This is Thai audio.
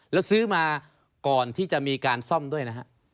แล้วซื้อมาก่อนที่จะมีการซ่อมด้วยนะฮะ